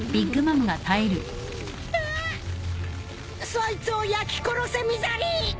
そいつを焼き殺せミザリー！